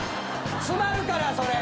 詰まるからそれ。